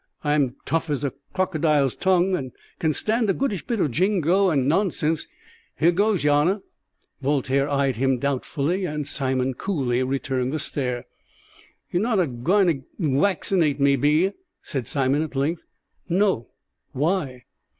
I'm tough has a crocodile's tongue, and can stand a goodish bit o' jingo and nonsense. Here goes, yer honour." Voltaire eyed him doubtfully, and Simon coolly returned the stare. "You are not a gwine to waccinate me, be 'ee?" said Simon at length. "No why?"